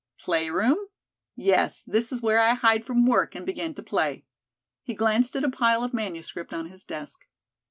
"Play room?" "Yes, this is where I hide from work and begin to play." He glanced at a pile of manuscript on his desk.